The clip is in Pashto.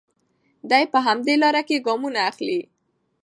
دی په همدې لاره کې ګامونه اخلي.